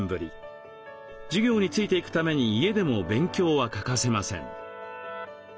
授業についていくために家でも勉強は欠かせません。